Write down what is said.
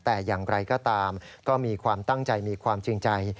แต่อย่างไรก็ตามก็มีความตั้งใจมีความจริงใจ